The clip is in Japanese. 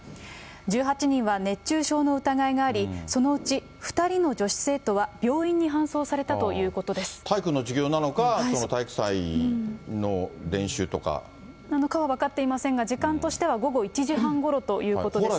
１８人は熱中症の疑いがあり、そのうち２人の女子生徒は病院に搬体育の授業なのか、体育祭のなのかは分かっていませんが、時間としては午後１時半ごろということですね。